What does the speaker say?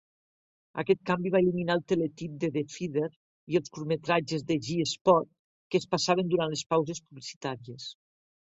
Aquest canvi va eliminar el teletip de "The Feeder" i els curtmetratges de "G-Spot" que es passaven durant les pauses publicitàries.